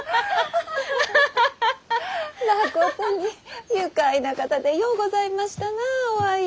まことに愉快な方でようございましたなあ於愛。